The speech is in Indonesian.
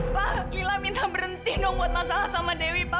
lila minta berhenti dong buat masalah sama dewi pa